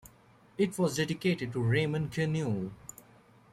It was dedicated to Raymond Queneau.